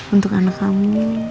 untuk anak kamu